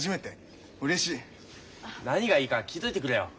何がいいか聞いといてくれよ。